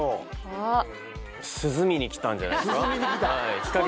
涼みに来たんじゃないっすか？